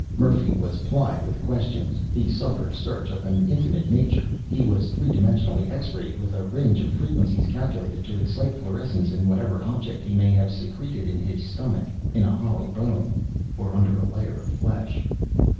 Murphy was plied with questions. He suffered search of an intimate nature. He was three dimensionally X rayed with a range of frequencies calculated to excite fluorescence in whatever object he might have secreted in his stomach, in a hollow bone, or under a layer of flesh.